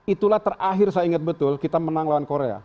itulah terakhir saya ingat betul kita menang lawan korea